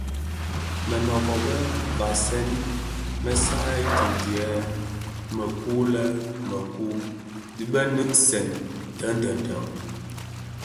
Mënôbö më vasèn mö satü tidyëk mëku lè mëku dhi binèsun deň deň deň.